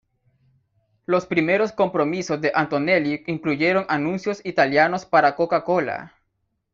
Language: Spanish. Los primeros compromisos de Antonelli incluyeron anuncios italianos para Coca-Cola.